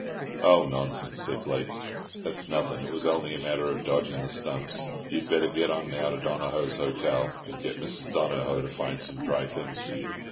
"Oh, nonsense," said Blake, "that's nothing. It was only a matter of dodging the stumps. You'd better get on now to Donohoe's Hotel, and get Mrs. Donohoe to find some dry things for you."